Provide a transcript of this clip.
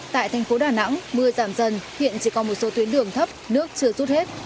tại thành phố đà nẵng mưa giảm dần hiện chỉ còn một số tuyến đường thấp nước chưa rút hết